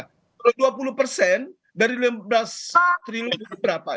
kalau dua puluh persen dari lima belas triliun itu berapa